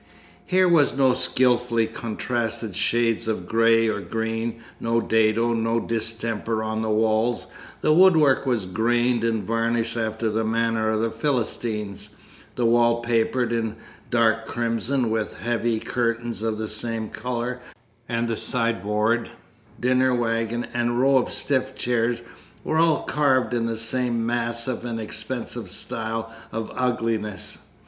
Here were no skilfully contrasted shades of grey or green, no dado, no distemper on the walls; the woodwork was grained and varnished after the manner of the Philistines, the walls papered in dark crimson, with heavy curtains of the same colour, and the sideboard, dinner waggon, and row of stiff chairs were all carved in the same massive and expensive style of ugliness.